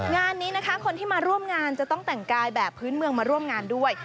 งานนี้นะคะคนที่มาร่วมงานจะต้องแต่งกายแบบพื้นเมืองมาร่วมงานด้วย